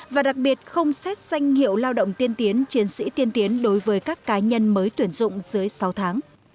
và đặc biệt không xét danh hiệu lao động tiên tiến chiến sĩ tiên tiến đối với các cá nhân mới tuyển dụng dưới sáu tháng